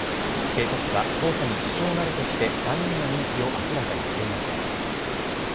警察は捜査に支障があるとして、３人の認否を明らかにしていません。